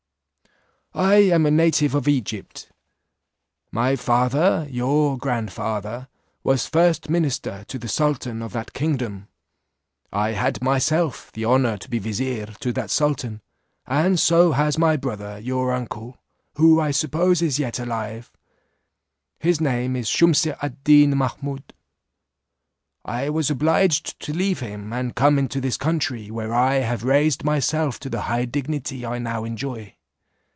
"I am a native of Egypt; my father, your grandfather, was first minister to the sultan of that kingdom. I had myself the honour to be vizier, to that sultan, and so has my brother, your uncle, who I suppose is yet alive; his name is Shumse ad Deen Mahummud. I was obliged to leave him, and come into this country, where I have raised myself to the high dignity I now enjoy.